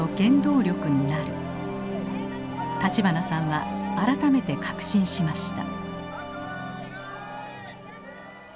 立花さんは改めて確信しました。